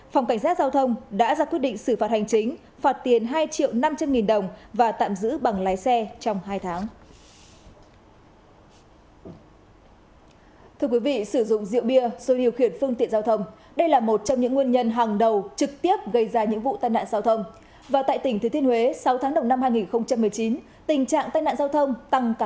phòng cảnh sát giao thông đã ra quyết định xử phạt hành chính phạt tiền hai triệu năm trăm linh nghìn đồng và tạm giữ bằng lái xe trong hai tháng